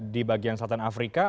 di bagian selatan afrika